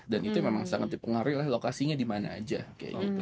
dan itu memang sangat dipengaruhi oleh lokasinya dimana aja kayak gitu